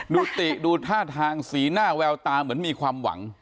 ดูติดูท่าทางสีหน้าแววตาเหมือนมีความหวัง